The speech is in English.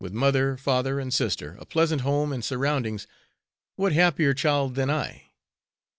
With mother, father and sister, a pleasant home and surroundings, what happier child than I!